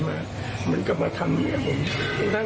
แต่ลูกกับเท่าก็เหมือนกันเลย